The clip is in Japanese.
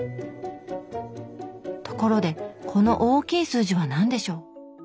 ところでこの大きい数字は何でしょう？